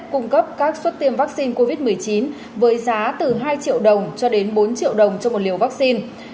cung cấp các suất tiêm vaccine covid một mươi chín với giá từ hai triệu đồng cho đến bốn triệu đồng cho một liều vaccine